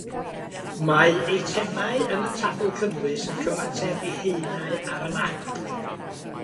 Mae eitemau yn y tabl cynnwys yn cyfateb i haenau ar y map.